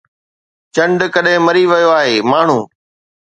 چنڊ ڪڏهن مري ويو آهي، ماڻهو؟